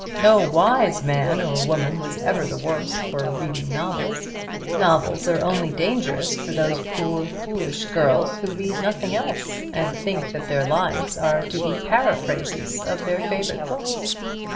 No wise man or woman was ever the worse for reading novels. Novels are only dangerous for those poor foolish girls who read nothing else, and think that their lives are to be paraphrases of their favourite books.